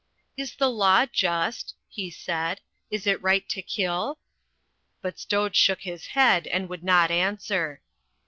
"Is the law just?" he said. "Is it right to kill?" But Stoj shook his head, and would not answer.